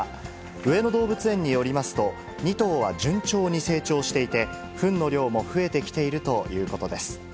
上野動物園によりますと、２頭は順調に成長していて、ふんの量も増えてきているということです。